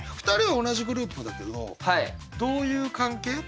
２人は同じグループだけどどういう関係？